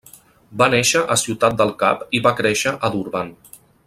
Va néixer a Ciutat del Cap i va créixer a Durban.